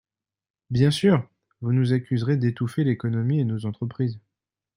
Bien sûr, vous nous accuserez d’étouffer l’économie et nos entreprises.